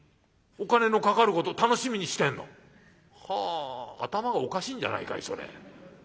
お金のかかること楽しみにしてんの？はあ頭がおかしいんじゃないかいそれ。